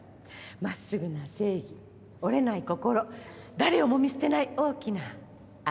真っすぐな正義折れない心誰をも見捨てない大きな愛。